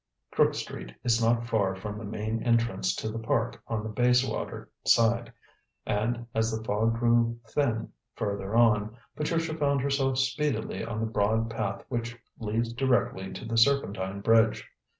Crook Street is not far from the main entrance to the Park on the Bayswater side, and, as the fog grew thin further on, Patricia found herself speedily on the broad path which leads directly to the Serpentine bridge.